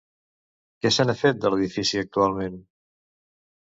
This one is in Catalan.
Què se n'ha fet de l'edifici actualment?